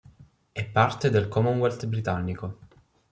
È parte del Commonwealth britannico.